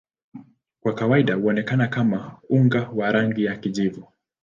Kwa kawaida huonekana kama unga wa rangi ya kijivu.